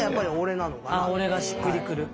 「おれ」がしっくりくる。